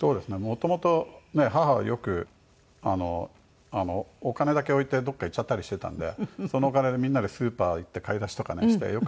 元々母はよくお金だけ置いてどこか行っちゃったりしていたんでそのお金でみんなでスーパー行って買い出しとかねして。